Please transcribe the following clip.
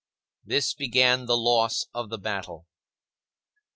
This began the loss of the battle.